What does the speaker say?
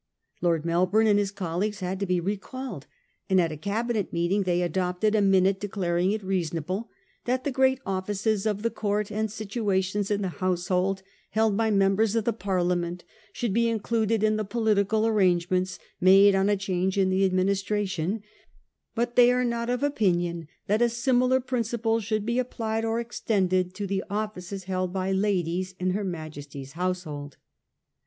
Lord Melbourne and his colleagues had to be recalled ; and at a Cabi net meeting they adopted a minute declaring it rea sonable 'that the great offices of the Court and situations in the household held by members of Par liament should be included in the political arrange ments made on a change in the Administration ; but they are not of opinion that a similar principle should be applied or extended to the offices held by ladies in her Majesty's household.